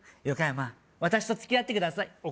ヨコヤマ私と付き合ってください